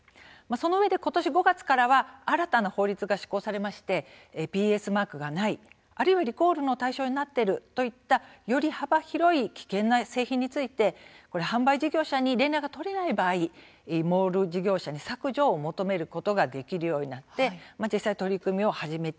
そのうえで、ことし５月からは新たな法律が施行されましてＰＳマークがない、あるいはリコールの対象になっているといったより幅広い危険な製品について販売事業者に連絡が取れない場合モール事業者に削除を求めることができるようになって実際取り組みを始めているんです。